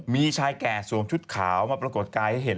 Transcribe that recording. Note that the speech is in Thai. มีชายแก่สวมชุดขาวมาปรากฏกายให้เห็น